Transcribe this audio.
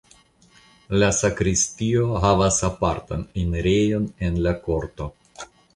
La sakristio havas apartan enirejon el la korto.